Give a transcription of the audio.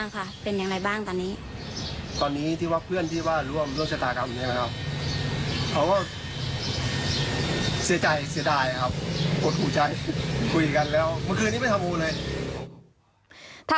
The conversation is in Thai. คุยกันแล้วเมื่อคืนนี้ไม่ทำอุณหัวเลย